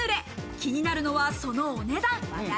気になるのはそのお値段。